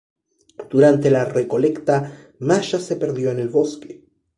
Durante la recolecta, Masha se perdió en el bosque.